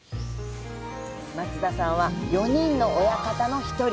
松田さんは４人の親方の１人。